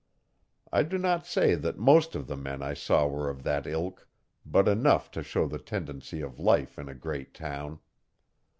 I do not say that most of the men I saw were of that ilk, but enough to show the tendency of life in a great town.